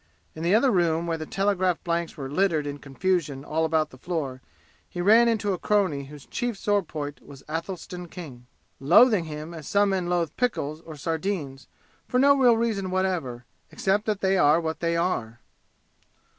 In the other room where the telegraph blanks were littered in confusion all about the floor, he ran into a crony whose chief sore point was Athelstan King, loathing him as some men loathe pickles or sardines, for no real reason whatever, except that they are what they are.